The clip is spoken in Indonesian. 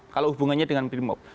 kalau hubungannya dengan brimob